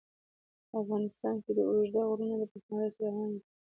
افغانستان کې د اوږده غرونه د پرمختګ هڅې روانې دي.